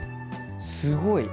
すごい！